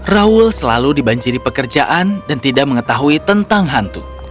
raul selalu dibanjiri pekerjaan dan tidak mengetahui tentang hantu